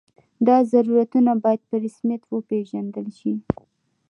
دا ضرورتونه باید په رسمیت وپېژندل شي.